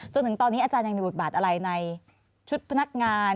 จนถึงตอนนี้อาจารย์ยังมีบทบาทอะไรในชุดพนักงาน